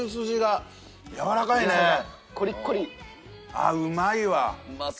ああうまいわ！